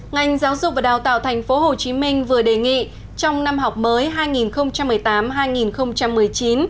ngành giáo dục và đào tạo tp hcm vừa đề nghị trong năm học mới hai nghìn một mươi tám hai nghìn một mươi chín